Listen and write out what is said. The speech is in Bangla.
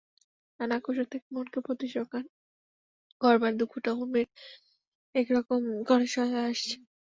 নানা আকর্ষণ থেকে মনকে প্রতিসংহার করবার দুঃখটা ঊর্মির একরকম করে সয়ে আসছে।